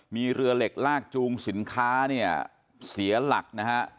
มีเรือเหล็กลากจูงสินค้าเนี่ยเสียหลักนะฮะ